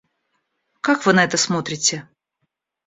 Как Вы на это смотрите?